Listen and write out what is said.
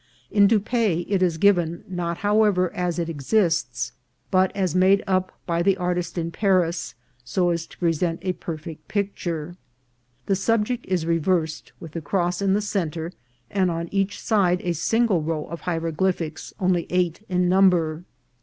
In Dupaix it is given, not, however, as it exists, but as made up by the artist in Paris, so as to present a perfect picture. The subject is reversed, with the cross in the centre, and on each side a single row of hieroglyphics, only eight in number.